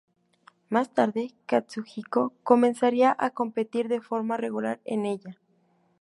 Más tarde, Katsuhiko comenzaría a competir de forma regular en ella.